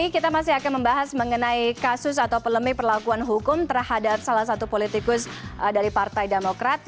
kita masih akan membahas mengenai kasus atau pelemi perlakuan hukum terhadap salah satu politikus dari partai demokrat